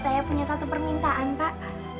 saya punya satu permintaan pak